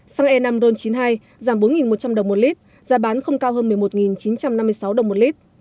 xăng e năm ron chín mươi hai giảm bốn một trăm linh đồng một lít giá bán không cao hơn một mươi một chín trăm năm mươi sáu đồng một lít